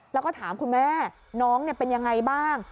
แล้วก็ถามคุณแม่น้องเป็นยังไงบ้าง